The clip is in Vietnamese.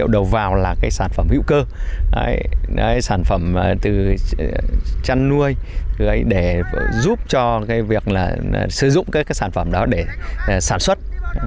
đó là sản phẩm hữu cơ sản phẩm chăn nuôi để giúp cho việc sử dụng các sản phẩm đó để sản xuất